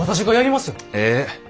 ええ。